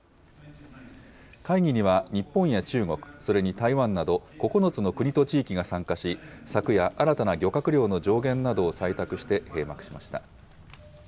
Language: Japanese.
会議には日本や中国、それに台湾など、９つの国と地域が参加し、昨夜、新たな漁獲量の上限などを採択して閉幕しました。